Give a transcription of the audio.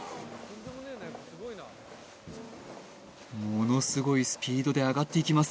ものすごいスピードで上がっていきます